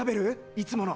いつもの。